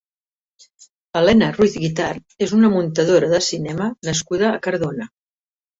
Elena Ruiz Guitart és una muntadora de cinema nascuda a Cardona.